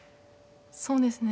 そうですね